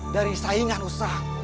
dari saingan usaha